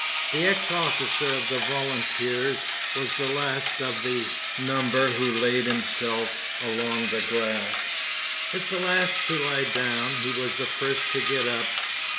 The ex officer of volunteers was the last of the number who laid himself along the grass. If the last to lie down, he was the first to get up.